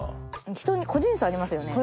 人に個人差ありますよね。